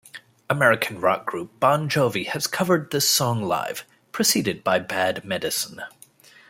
American rock group Bon Jovi has covered this song live preceded by "Bad Medicine".